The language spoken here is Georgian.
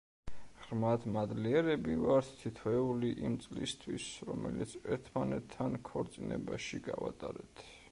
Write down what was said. ღრმად მადლიერები ვართ თითოეული იმ წლისთვის, რომელიც ერთმანეთთან ქორწინებაში გავატარეთ.